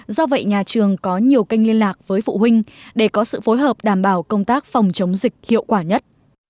do vậy nhà trường có nhiều kênh liên lạc với phụ huynh để có sự phối hợp đảm bảo công tác phòng chống dịch hiệu quả nhất